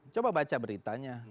coba baca beritanya